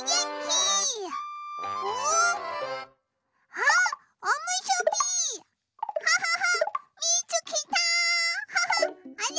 あれ？